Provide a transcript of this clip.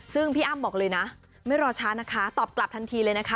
ซึ่งพี่อ้ำบอกเลยนะไม่รอช้านะคะตอบกลับทันทีเลยนะคะ